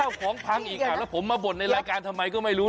ของพังอีกแล้วผมมาบ่นในรายการทำไมก็ไม่รู้